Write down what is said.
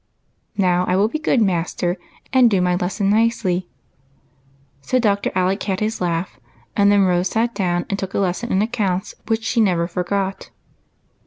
Now I will be good, master, and do my lesson nicely." 90 EIGHT COUSINS. So Dr. Alec had his laugh, and then Rose sat down and took a lesson in accounts which she never forgot.